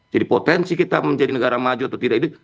jadi potensi kita menjadi negara maju atau tidak